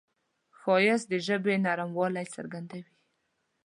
ښایست د ژبې نرموالی څرګندوي